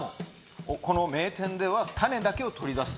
この名店では種だけを取り出す。